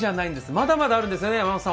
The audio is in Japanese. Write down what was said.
まだまだあるんですよね、山元さん